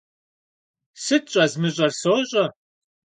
Сыт щӏэзмыщӏэр, сощӀэ!